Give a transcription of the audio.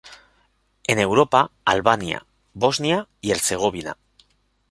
En Europa: Albania, Bosnia y Herzegovina.